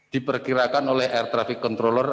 diperkirakan oleh air traffic controller